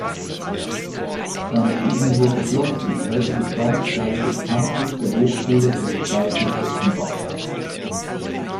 Das Isenburger Schloss ist heute Bestandteil des Campus der Hochschule für Gestaltung Offenbach.